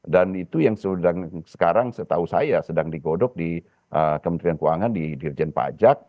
dan itu yang sekarang setahu saya sedang digodok di kementerian keuangan di dirjen pajak